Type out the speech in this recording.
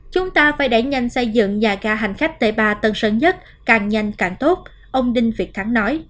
chúng ta phải đẩy nhanh xây dựng nhà ga hành khách t ba tân sơn nhất càng nhanh càng tốt ông đinh việt thắng nói